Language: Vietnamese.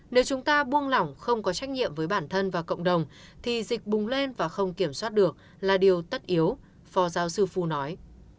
nếu chúng ta buông lỏng không có trách nhiệm với bản thân và cộng đồng thì dịch bùng lên và không kiểm soát được là điều tất yếu phó giáo sư phu nói